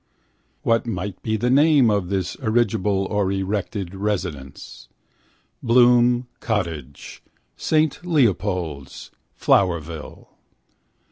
What might be the name of this erigible or erected residence? Bloom Cottage. Saint Leopold's. Flowerville.